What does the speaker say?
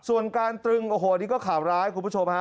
ส่วนการตรึงโอ้โหนี่ก็ข่าวร้ายคุณผู้ชมฮะ